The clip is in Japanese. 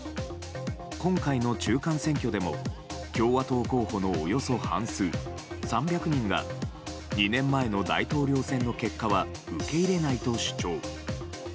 今回の中間選挙でも共和党候補のおよそ半数３００人が２年前の大統領選の結果は受け入れないと主張。